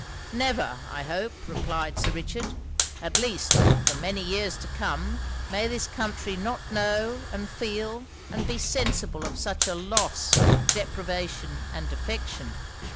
'Never, I hope!' replied Sir Richard. 'At least, for many years to come, may this country not know and feel and be sensible of such a loss, deprivation and defection.